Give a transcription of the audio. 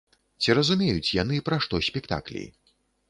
Ці разумеюць яны, пра што спектаклі?